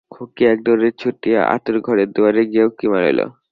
খুকী এক দৌড়ে ছুটিয়া আঁতুড় ঘরের দুয়ারে গিয়া উঁকি মারিল।